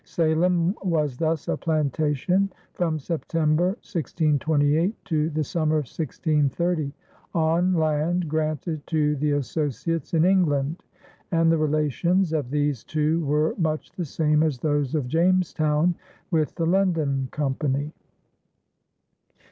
Salem was thus a plantation from September, 1628, to the summer of 1630, on land granted to the associates in England; and the relations of these two were much the same as those of Jamestown with the London Company.